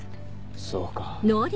そうか。